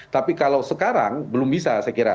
tapi kalau sekarang belum bisa saya kira